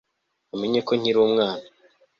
namenye ko nkiri umwana